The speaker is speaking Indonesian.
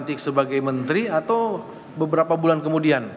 dilantik sebagai menteri atau beberapa bulan kemudian